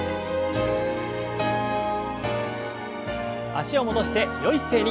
脚を戻してよい姿勢に。